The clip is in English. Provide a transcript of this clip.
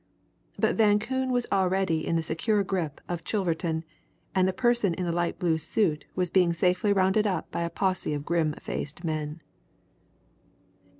But Van Koon was already in the secure grip of Chilverton, and the person in the light blue suit was being safely rounded up by a posse of grim faced men.